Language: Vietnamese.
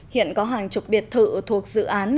hiện có hàng chục biệt thự thuộc dự án